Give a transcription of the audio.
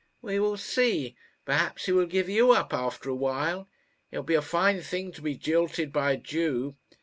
"We will see. Perhaps he will give you up after a while. It will be a fine thing to be jilted by a Jew."